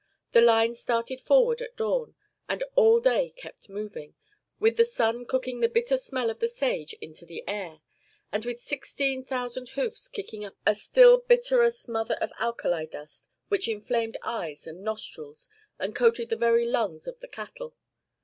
The line started forward at dawn, and all day kept moving, with the sun cooking the bitter smell of the sage into the air, and with sixteen thousand hoofs kicking up a still bitterer smother of alkali dust which inflamed eyes and nostrils and coated the very lungs of the cattle.